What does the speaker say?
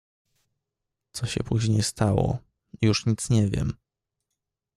"Co się później stało, już nic nie wiem."